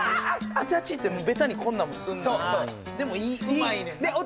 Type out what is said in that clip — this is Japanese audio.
アチアチってベタにこんなんもすんのでもうまいねんな